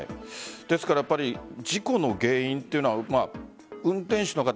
ですからやっぱり事故の原因というのは運転手の方